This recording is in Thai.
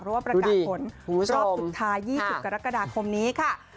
รอบสุดท้ายี่สิบกรกฎาคมนี้ค่ะ